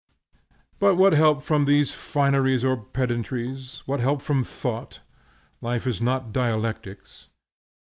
But what help from these fineries or pedantries? What help from thought? Life is not dialectics.